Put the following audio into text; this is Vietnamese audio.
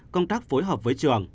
công tác phối hợp với trường